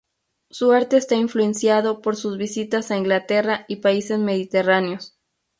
Su arte está influenciado por sus visitas a Inglaterra y países mediterráneos.